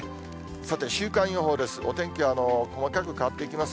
さて、週間予報です。